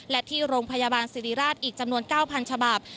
และที่โรงพยาบาลสิริราชอีกจำนวน๙๐๐ฉบับ